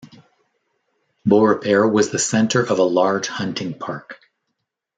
Beaurepaire was the centre of a large hunting park.